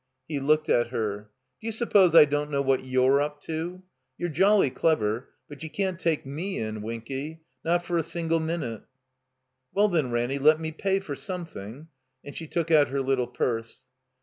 He looked at her. ''D'you suppose I don't know what you're up to? You're jolly clever, but you can't take fne in, Winky. Not for a single minute." "Well, then, Ranny, let me pay for sotnething.'* And she took out her little purse.